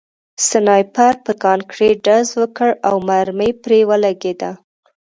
سنایپر په کانکریټ ډز وکړ او مرمۍ پرې ولګېده